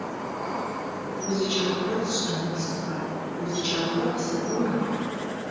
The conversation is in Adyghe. УзыкӀэгъырэр сшӀэнэу сыфай УзыкӀэгъырэр къысэпӀона?